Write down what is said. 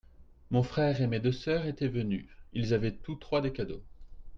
Mon frère et mes deux sœurs étaient venus, ils avaient tous trois des cadeaux.